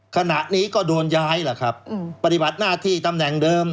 ขณะนี้ก็โดนย้ายล่ะครับปฏิบัติหน้าที่ตำแหน่งเดิม